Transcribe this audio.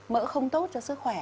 mỡ không tốt cho sức khỏe